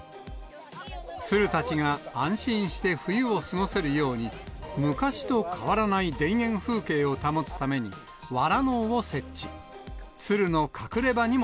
ツルたちが安心して冬を過ごせるように、昔と変わらない田園風景を保つために、藁のうを設置。